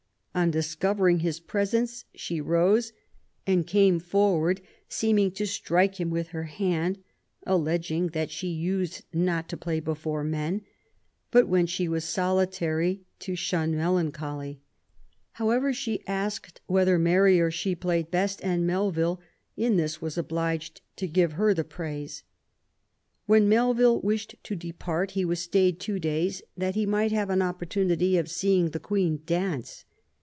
On discovering his presence, she rose, " and came for 86 QUEEN ELIZABETH, ward, seeming to strike him with her hand ; alleging that she used not to play before men, but when she was solitary to shun melancholy *'. However, she asked whether Mary or she played best, and Melville, " in this was obliged to give her the praise ". When Melville wished to depart he was stayed two days that he might have an opportunity of seeing the Queen dance.